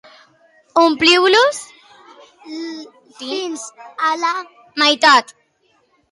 Ompliu-los fins a la meitat.